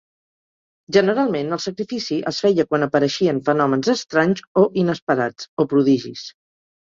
Generalment el sacrifici es feia quan apareixien fenòmens estranys o inesperats, o prodigis.